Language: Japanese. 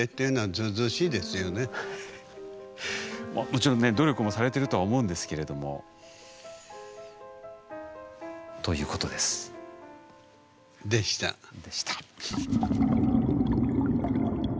もちろんね努力もされてるとは思うんですけれども。ということです。でした。でした。